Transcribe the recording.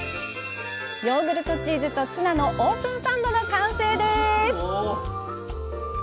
「ヨーグルトチーズとツナのオープンサンド」の完成です！